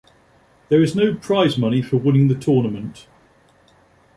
There is no prize money for winning the tournament.